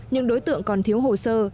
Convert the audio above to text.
những đối tượng còn thiếu hồ sơ